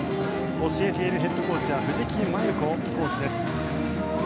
教えているヘッドコーチは藤木麻祐子コーチです。